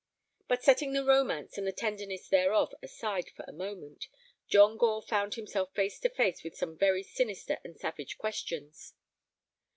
But setting the romance and the tenderness thereof aside for a moment, John Gore found himself face to face with some very sinister and savage questions.